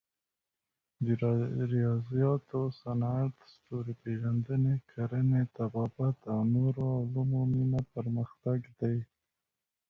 د ریاضیاتو، صنعت، ستوري پېژندنې، کرنې، طبابت او نورو علومو مینه پرمختګ دی.